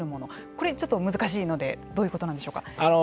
これ、難しいのでどういうことなんでしょうか。